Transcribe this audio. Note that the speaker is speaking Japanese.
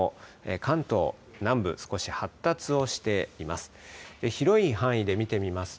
関東南部少し発達をしています。